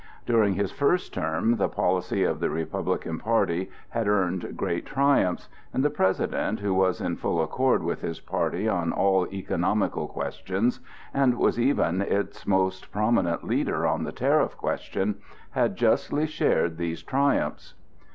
During his first term the policy of the Republican party had earned great triumphs, and the President, who was in full accord with his party on all economical questions, and was even its most prominent leader on the tariff question, had justly shared these triumphs.